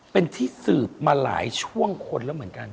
เป็นที่สืบมาหลายช่วงคนแล้วเหมือนกัน